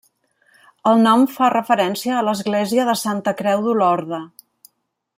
El nom fa referència a l'església de Santa Creu d'Olorda.